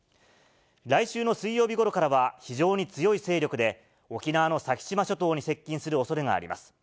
来週の水曜日ごろからは非常に強い勢力で沖縄の先島諸島に接近するおそれがあります。